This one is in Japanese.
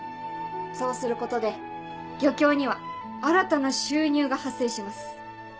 そうすることで漁協には新たな収入が発生します。